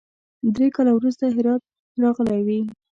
درې کاله وروسته هرات راغلی وي.